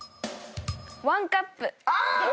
ワンカップ。